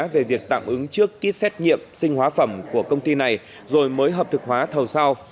về việc tạm ứng trước kýt xét nghiệm sinh hóa phẩm của công ty này rồi mới hợp thực hóa thầu sau